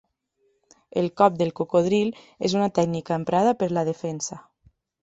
El cop del cocodril és una tècnica emprada per la defensa.